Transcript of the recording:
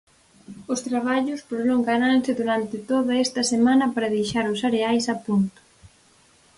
Os traballos prolongaranse durante toda esta semana para deixar os areais a punto.